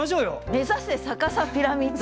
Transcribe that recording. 目指せ逆さピラミッド！